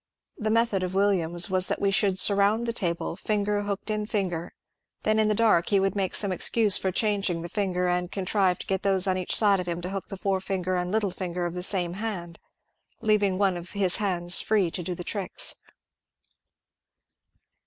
The method of Williams was that we should surroimd the table, finger hooked in finger ; then in the dark he would make some excuse for changing the fin ger, and contrive to get those on each side of him to hook the forefinger and little finger of the same hand, leaving one of his hands free to do the tricks.